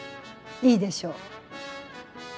いいでしょう。